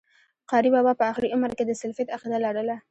قاري بابا په آخري عمر کي د سلفيت عقيده لرله